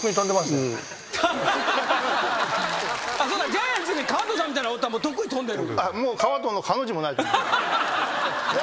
ジャイアンツに川藤さんみたいなのおったらとっくに飛んでる？